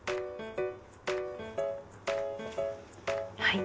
はい。